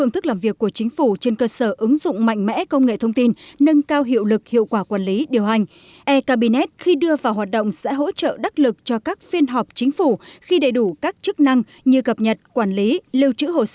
thủ tướng nguyễn xuân phúc